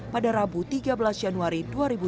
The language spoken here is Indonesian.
pada rabu tiga belas januari dua ribu dua puluh